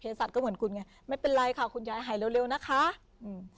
สัตว์ก็เหมือนคุณไงไม่เป็นไรค่ะคุณยายหายเร็วเร็วนะคะอืม